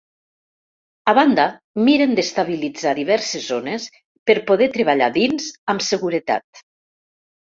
A banda, miren d’estabilitzar diverses zones per poder treballar dins amb seguretat.